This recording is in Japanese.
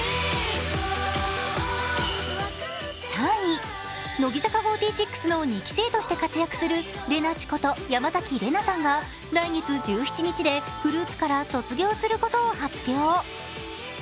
３位、乃木坂４６の２期生として活躍するれなちこと、山崎怜奈さんが来月１７日でグループから卒業することを発表。